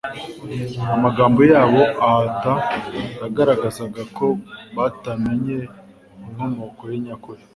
Amagambo yabo ahata yagaragazaga ko batamenye inkomoko ye nyakuri,